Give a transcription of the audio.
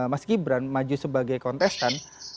mas gibran maju sebagai kontestan